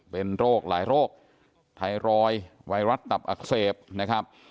เป็นโรคหลายโรคไทรอยด์ไวรัสตับอักเสบนะครับ